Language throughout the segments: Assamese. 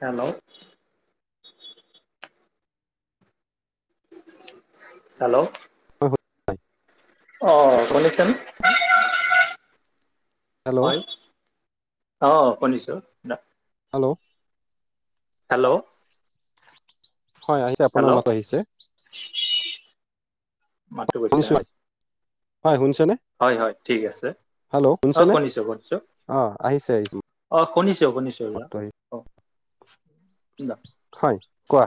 হেল্ল'। হেল্ল'। [unintelligible] অহ' শুনিছানে হেল্ল' হয়। অ', শুনিছোঁ। হেল্ল'। হেল্ল'। হয়, আহিছে, হেল্ল' আপোনাৰ মাত আহিছে। [inaudible] মাতটো শুনিছোনে হয় শুনিছনে। হয়-হয় ঠিক আছে, অ' শুনিছোঁ-শুনিছোঁ। অ' আহিছে। আহিছে অ' শুনিছোঁ-শুনিছোঁ মাতটো আহি কওক কি নাম? হয়, কোৱা?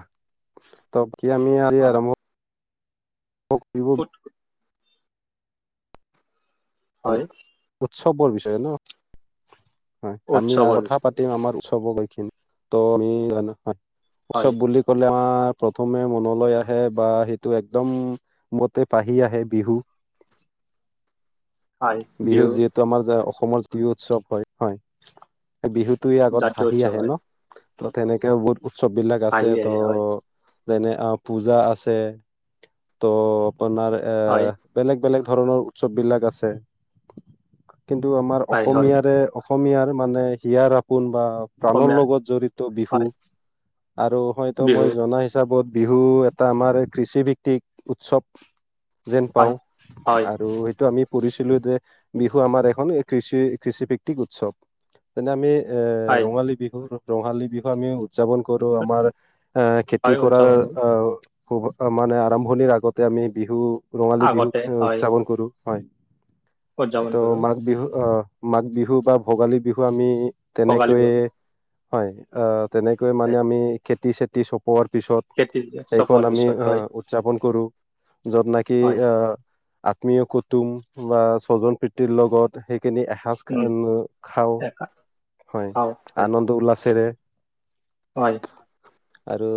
ত' কি আমি আজি হয় আৰম্ভ [inaudible] পঠ [unintelligible] হয় উৎসৱৰ বিষয়ে ন? হয়, আমি উৎসৱৰ কথা বিষয়ে পাতি আমাৰ উৎসৱ আমি জান হয় উৎসৱ বুলি ক'লে আমাৰ প্ৰথমে মনলে আহে বা সেইটো একদম মতে পাহি আহে বিহু হয় বিহু বিহুত যিহেতু আমাৰ অসমৰ প্ৰিয় উৎসৱ হয়, হয়। বিহুটোই আগত জাতীয় ভাহি উৎসৱ আহে হয় ন। ত' তেনেকে বহুত উৎসৱ বিলাক আছে হাঁহি ত' আহে হয় যেনে অ' পূজা আছে ত' আপোনাৰ এ হয় বেলেগ-বেলেগ ধৰণৰ উৎসৱ বিলাক আছে। কিন্তু আমাৰ হয় হয় অসমীয়াৰে অসমীয়াৰ মানে হিয়াৰ আপোন বা প্ৰাণৰ অসমীয়াৰ লগত জড়িত বিহু হয় আৰু হয়তো বিহু মই জনাই হিচাপত বিহু এটা আমাৰ কৃষিভিত্তিক উৎসৱ। যেন হয় পাওঁ হয় আৰু সেইটো আমি পৰিচ ছিলোঁ যে বিহু আমাৰ এখন কৃষি কৃষিভিত্তিক উৎসৱ। যেনে আমি এ হয় ৰঙালী বিহু, ৰঙালী বিহু আমি উদযাপন কৰোঁ। আমাৰ এ খেতি হয় কৰাৰ উদযাপন কৰোঁ আহ, খু মানে আৰম্ভণিৰ আগতে আমি বিহু ৰঙালী আগতে বিহুত হয় উদযাপন কৰোঁ, হয়। উদযাপন ত' কৰোঁ মাঘ বিহু আহ মাঘ বিহু বা ভোগালী বিহু আমি ভোগালী বিহু তেনেকৈয়ে হয়, এ হয়। মানে আমি খেতি চেতি চ পোৱাৰ, পিছত খেতি সেইখন চপোৱাৰ আমি পিছত হয় উদযাপন কৰোঁ য'ত নকি হয় আহ আত্মীয় কুটুম বা স্বজন প্ৰীতিৰ লগত সেইখিনি আহ ঘাজ খ উম খাওঁ, হয় খাওঁ হয় আনন্দ উল্লাসৰে হয়। আৰু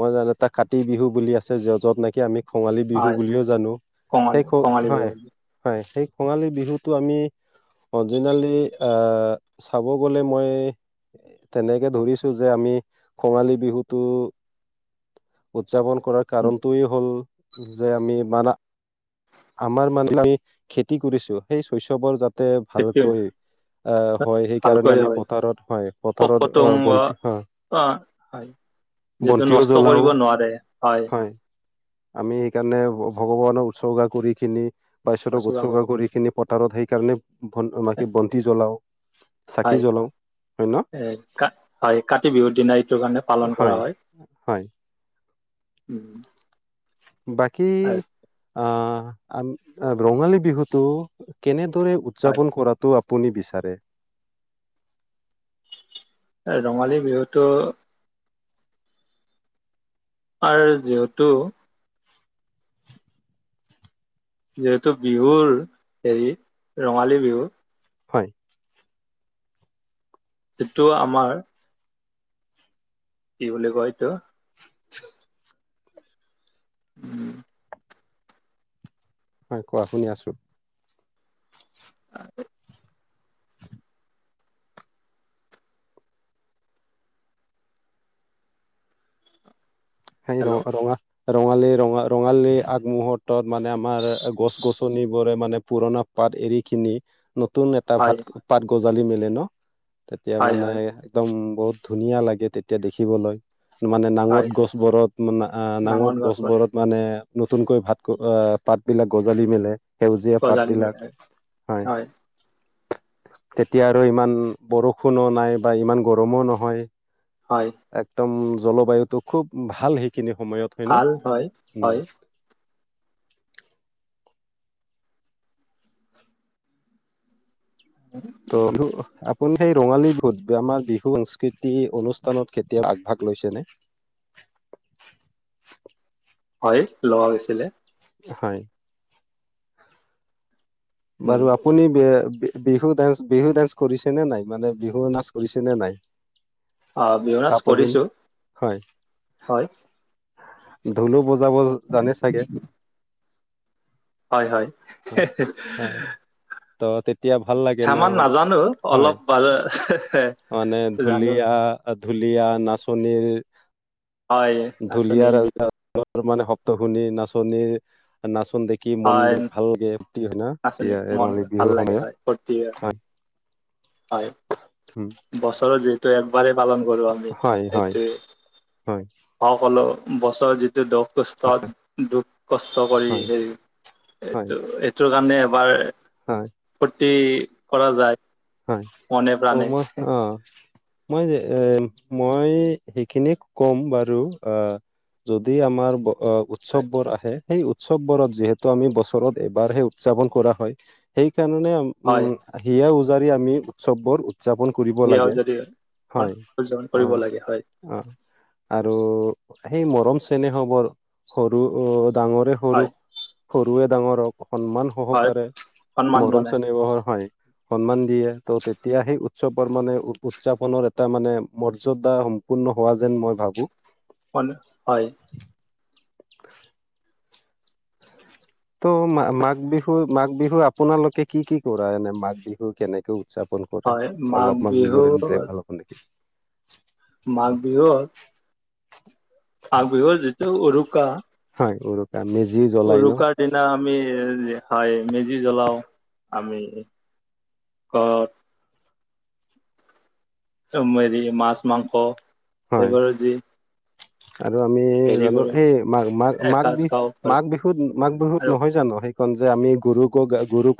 মই জানো এটা কাতি বিহু বুলি আছে য য'ত নেকি আমি কঙালী বিহু হয় বুলিও জানো, কঙালী সেই কক, কঙালী বিহু হয়। বুলি। হয়, সেই কঙালী বিহুটো আমি অজিনালি আহ চাব গ'লে মই তেনেকে ধৰিছোঁ যে আমি কঙালী বিহুটো উদযাপন কৰাৰ উম, কাৰণটয়েই হ'ল যে আমি মান আমাৰ মান খেতি কৰিছোঁ সেই চৈচবৰ যাতে সেইটো ভালকৈ আহ, হয়। সেইকাৰণে ভালকৈ আমি হয় পথাৰত হয় পথাৰত অ' বন্তি অ', হয়। যিহটো বন্তিও নষ্ট জ্বলাও কৰিব নোৱাৰে হয়। আমি সেইকাৰণে ভগৱানক উৎসৰ্গা কৰি খিনি বাশ্বতক পচোৱা উৎসৰ্গা কৰিব কৰি নোৱাৰে খিনি পথাৰত সেইকাৰণে ভন বন্তি জ্বলাওঁ, চাকি হয় জ্বলাওঁ। এ কা হয় কাতি বিহুৰ দিনা এইটোৰ কাৰণে পালন কৰা হয়। হয় উম, বাকী আৰু আহ, ৰঙালী বিহুটো কেনেদৰে উদ হয় যাপন, কৰাটো আপুনি বিচাৰে? ৰঙালী বিহুটো আৰু যিহেতু, যিহেতু বিহুৰ হেৰি ৰঙালী বিহু, হয়! সিটো আমাৰ, কি বুলি কয় এইটো? উম! হয় কোৱা, শুনি আছোঁ! আহ [unintelligible] সেই হেল্ল' ৰ ৰঙা, ৰঙালীৰ ৰঙা ৰঙালী আগমুহুৰ্তত মানে আমাৰ গছ গছনিবোৰে মানে পুৰণা, পাত এৰি কিনি, নতুন এটা হয় ভাত পাত গজালি মেলে ন তেতিয়া হয় মানে, হয় একদম বহুত ধুনীয়া লাগে তেতিয়া দেখিবলৈ মানে নাঙঠ হয় গছ, ঘৰত মানে ডাঙৰ নাঙঠ গছ গছবোৰত। মানে নতুনকৈ ভাত গ পাত বিলাক গজালি মেলে। সেউজীয়া পাত গজালি মেলে বিলাক হয়। [inaudible] তেতিয়া আৰু ইমান বৰষুণো নাই বা ইমান গৰমো নহয়। হয়। একদম জলবায়ুতটো খুব ভাল সেইখিনি সময়ত। হয় ন ভাল হয় উম হয়। হয় [unintelligible] ত আপুনি সেই ৰঙালী বিহুত আমাৰ বিহু সংস্কৃতি অনুষ্ঠানত কেতিয়া আগভাগ লৈছেনে। হয় লোৱা হৈছিলে। হয় উম, বাৰু আপুনি বি বিহু ডান্স বিহু ডান্স কৰিছে নে নাই মানে বিহু নাচ কৰিছে নে নাই। আ বিহনাচ তাৰ প দিন কৰিছো। হয়। ঢোলো বজাব জানে চাগে? হয় হয়। অ ত তেত, তেতিয়া ভাল লাগে ন সিমান নাজানো হয় অলপ বা- মানে জানো। ঢুলীয়া, ঢুলীয়া নাচনীৰ হয়, নাচনী ঢুলিয়াৰ, ৰ বিহু মানে শব্দত শুনি নাচনীৰ নাচোন দেখি মন হয়, বোৰ, [unintelligible] না নাচনী মন ৰঙালি ভাল বিহুৰ লাগে হয়, ফূৰ্তি সময়ত হয় হয় উম বছৰত যিহেতু একবাৰেই পালন কৰোঁ আমি হয় হয় হয় সেইটোৱে। হয় মই কলো বছৰৰ যিটো দুখ কষ্ট দুখ, কষ্ট কৰি হয় হেৰি হয় এইটো এইটো কাৰণে এবাৰ। হয়। ফূৰ্তি কৰা যায়। হয় মনে ত প্ৰাণে মই অ, মই যে এ মই সেইখিনিয়ে ক'ম বাৰু আহ, যদি আমাৰ উৎসৱ হয়, বোৰ আহে, সেই উৎসৱ বোৰত যিহেতু আমি বছৰত এবাৰহে উদযাপন কৰা হয় সেই কাৰণে আমি, হয়। হিয়া উজাৰি আমি উৎচৱবোৰ উদযাপন কৰিব সেয়াও লাগে যদি হয় উদযাপন অ, কৰিব লাগে হয় অ, আৰু সেই মৰম চেনেহ বোৰ সৰু ডাঙৰে হয় সৰু-সৰুৱে ডাঙৰক সন্মান হয় সহকাৰে সন্মান মৰম জনাই চেনেহ বহৰ হয় সন্মান দিয়ে ত' তেতিয়া সেই উৎচৱৰ মানে উৎযাপনৰ এটা মানে মৰ্যদা সম্পূৰ্ণ হোৱা যেন মই ভাবো। [unintelligible] হয়। [unintelligible] ত' মা মাঘ বিহু -মাঘ বিহুত আপোনালোকে কি-কি কৰা এনে মাঘ বিহু কেনেকে উদযাপন কৰে হয় মাঘ অলপমান বিহু বিবৰনী দিলে ভাল হ'ব নেকি? মাঘ বিহুত মাঘ বিহুত যিটো উৰুকা হয় উৰুকা মেজি জ্বলাই ন? সেইদিনা আমি যে হয় মেজি জ্বলাও আমি। [unintelligible] ত'মেৰী মাছ, মাংস হয় সেইবোৰো যি আৰু আমি হেৰি জানো কৰো হেই মা-মাক মাঘ এসাঁজ বি খাওঁ মাঘ বিহুত -মাঘ বিহুত আৰু নহয় জানো সেইখন যে আমি গৰুক গা গৰুক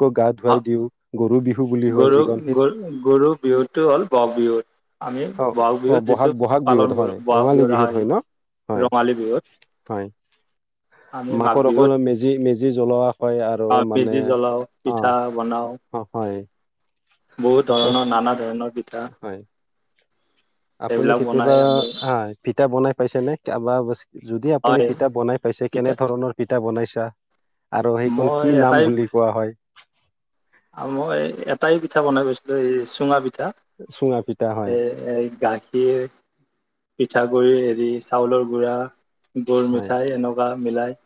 [unintelligible] হয় যিখন গৰু-গৰু-গৰু বিহুটো হ'ল ব'হাগ বিহুত। আমি অ ব'হাগ অ বিহুত যিতো বহাগ বিহুত পালন হয় কৰো ব'হাগ ৰঙালী বিহু বিহুত হয় ন [unintelligible] হয় ৰঙালী বিহুত হয় আমি মাঘ বিহুত মেজি-মেজি জ্বলোৱা হয় আৰু আহ মানে মেজি জ্বলাও অ', পিঠা বনাও অ', হয়। বহুত ত ধৰণৰ নানা ধৰণৰ পিঠা হয় আপুনি সেইবিলাক বনাই কেতিয়াবা আমি [unintelligible] পিঠা বনাই পাইছে নে [unintelligible] যদি আপুনি হয় পিঠা বনাই পাইছে পিঠা কেনে ধৰণৰ পিঠা বনাইছা? আৰু সেইখন মই কি নাম বুলি কোৱা হয়? আৰু মই এটাই পিঠা বনাই পাইছিলোঁ এই চুঙা পিঠা। চুঙা পিঠা হয় এ গাখীৰ পিঠাগুড়িৰ হেৰি চাউলৰ গুড়া গুৰ হয় মিঠাই এনেকুৱা মিলাই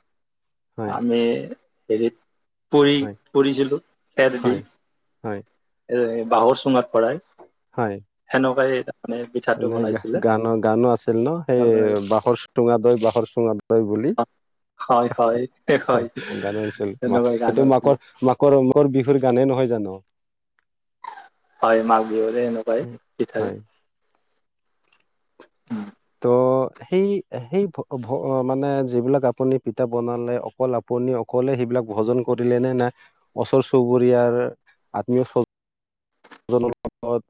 হয় আমি হেৰিত পৰি-পৰিছিলোঁ। হয়-হয়। এ বাহৰ চুঙাত ভৰাই। হয়। সেনকুৱাই এইটা। এনেই গাহ গানো-গানো আছিল ন'সেই বাঁহৰ চুঙা দৈ -বাঁহৰ চুঙা দৈ দৈ বুলি হয় হয় হয় গানো আচিল মা সেনেকুৱাই গান এইটো হৈছিলে মাকৰ-মাক [unintelligible] বিহুৰ গানে নহয় জানো? হয় মাঘ বিহুৰে এনেকুৱাই পিঠাৰে। হয় উম, ত' সেই-সেই মানে যিবিলাক আপুনি পিঠা বনালে অকল আপ আপুনি অকলে সেইবিলাক ভোজন কৰিলে নে নাই ওচৰ-চুবুৰীয়া আত্মীয় চ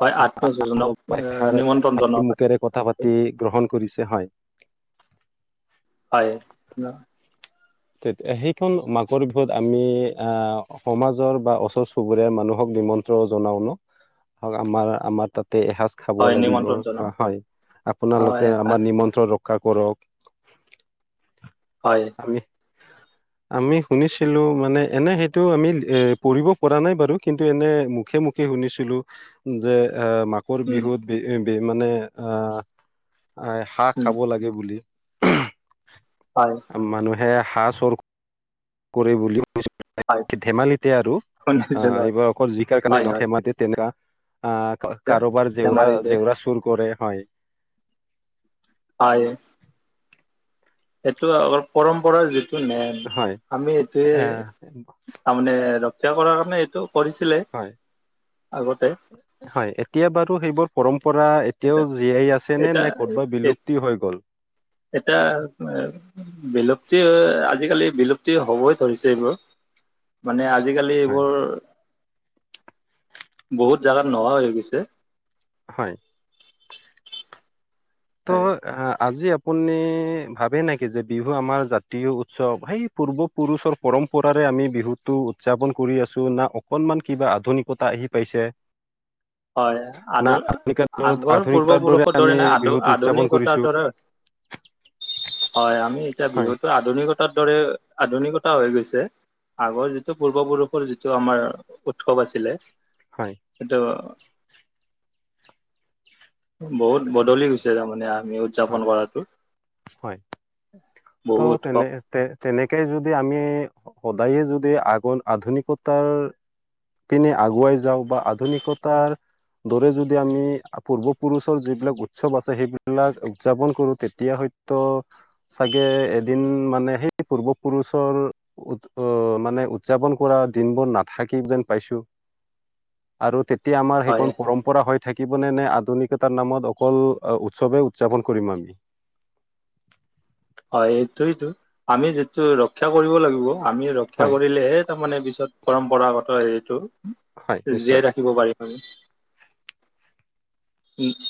হয় আত্মীয়স্বজনক এষাৰ নিমন্ত্ৰণ জনোৱা হয়। মুখেৰে কথা আহে পাতি গ্ৰহণ কৰিছে হয়। হয় ন' ত সেইখন মাঘৰ বিহুত আমি আহ সমাজৰ বা ওচৰ চুবুৰীয়াৰ মানুহক নিমন্ত্ৰণ ন জনাওঁ ন আমাৰ আমাৰ তাতে এসাজ খাব হয় লাগিব নিমন্ত্ৰণ জনাও বা হয় হয় আপোনালোকে এসাঁজ আমাৰ নিমন্ত্ৰণ ৰক্ষা কৰক হয়। আমি আমি শুনিছিলো মানে, এনে সেইটো আমি এ পঢ়িব পৰা নাই বাৰু কিন্তু এনে মুখে মুখে শুনিছিলো যে এ মা ঘৰ উম, বিহুত বি মানে আহ হাঁহ উম, খাব লাগে বুলি। [inaudible] হয় মানুহে হাঁহ চুৰ কৰে বুলি। হয় ধেমালিতে আৰু অঁ শুনিছিলো হয় এইবাৰ অকল জিকাৰ কাৰণে হয় নহয় হয় ধেমালিত এনেকা আহ ধে- কাৰোবাৰ জেউৰা ধেমালি যে জেউৰা চুৰ কৰে হয়। হয় এইটো অলপ পৰম্পৰাৰ যিটো নে হয় আমি এইটোৱে আহ তাৰমানে ৰক্ষা কৰাৰ কাৰণে এইটো কৰিছিলে। হয়, আগতে হয় এতিয়া বাৰু সেইবোৰ পৰম্পৰা এতিয়াও এটা জীয়াই আছে এটা নে ক'তবা বিলুপ্তি হৈ গ'ল? এতিয়া বিলুপ্তি আজিকালি বিলুপ্তি হবই ধৰিছে এইবোৰ। মানে আজিকালি হয় এইবোৰ বহুত জেগাত নোহোৱা হৈ গৈছে। হয় ত এই আজি আপুনি ভাবে নেকি যে বিহু আমাৰ জাতীয় উৎসৱ সেই পূৰ্বপুৰুষৰ পৰম্পৰাৰে আমি বিহুটো উদযাপন কৰি আছো না অকনমান কিবা আধুনিকতা আহি পাইছে। হয় আ না আধুনিক আগৰ আধুনিকতাৰ পূৰ্বপুৰুষৰ আমি দৰে না আ বিহুটো উদযাপন কৰিছো আধুনিকতাটো [unintelligible] হয় আমি এতিয়া হয় বিহুতো আধুনিকতাৰ দৰে আধুনিকতা হৈ গৈছে। আগৰ যিটো পূৰ্বপুৰুষৰ যিটো আমাৰ উৎসৱ আছিলে। হয় এইটো বহুত বদলি হৈছে তাৰমানে আমিও হয় হয়, বহু ত' তেনে উৎসৱ তে তেনেকে যদি আমি সদায়ে যদি আগ আধুনিকতাৰ পিনে আগুৱাই যাওঁ বা আধুনিকতাৰ দৰে যদি আমি পূৰ্বপুৰুষৰ যিবিলাক উৎসৱ আছে সেইবিলাক উদযাপন কৰো তেতিয়া হয়তো চাগে এদিন মানে সেই পূৰ্বপুৰুষৰ উ আহ মানে উদযাপন কৰা দিনবোৰ নাথাকিব যেন পাইছো। [inaudible] আৰু তেতিয়া আমাৰ হয় সেইখন পৰম্পৰা হৈ থাকিব নে, নে আধুনিকতাৰ নামত অকল উৎসৱে উ দযাপন কৰিম আমি। হয় সেইটোয়েটো আমি যিটো ৰক্ষা কৰিব লাগিব। আমি ৰক্ষা হয় কৰিলেহে তাৰমানে পিছত পৰম্পৰাগত হেৰিটো হয় নিশ্চয় জীয়াই ৰাখিব পাৰিম। উম' উম'